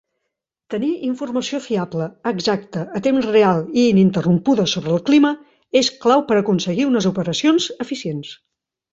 Tenir informació fiable, exacta, a temps real i ininterrompuda sobre el clima és clau per a aconseguir unes operacions eficients.